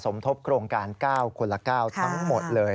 สมทบโครงการ๙คนละ๙ทั้งหมดเลย